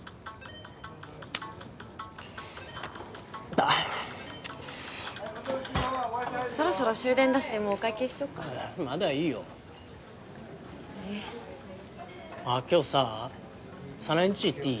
だっクソそろそろ終電だしもうお会計しよっかまだいいよえっあっ今日さ早苗んち行っていい？